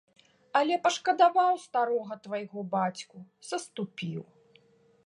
Але пашкадаваў старога твайго бацьку, саступіў.